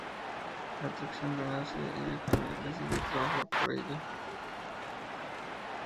La atracción renace y Hajime decide dejar todo por ella.